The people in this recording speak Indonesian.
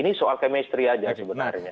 ini soal chemistry aja sebenarnya